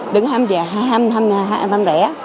đừng ham rẻ